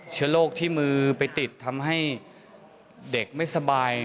เชื้อโรคที่มือไปติดทำให้เด็กไม่สบาย